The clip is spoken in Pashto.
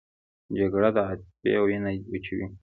جګړه د عاطفې وینه وچوي